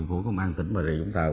của công an tỉnh bà rịa vũng tàu